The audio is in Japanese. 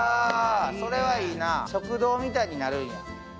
それはいいな、食堂みたいになるやん。